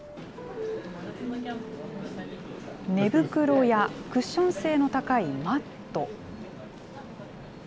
寝袋やクッション性の高いマット。